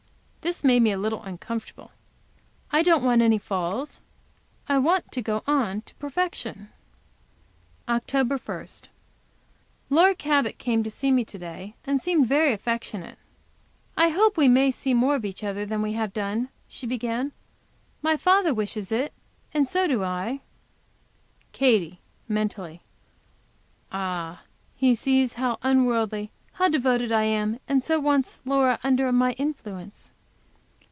This made me a little uncomfortable. I don't want any falls. I want to go on to perfection. OCT. 1. Laura Cabot came to see me to day, and seemed very affectionate. "I hope we may see more of each other than we have done," she began. "My father wishes it, and so do I." Katy, mentally. "Ah! He sees how unworldly, how devoted I am, and so wants Laura under my influence."